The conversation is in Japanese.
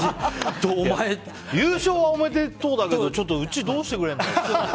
優勝はおめでとうだけどちょっと、うちどうしてくれるの？って。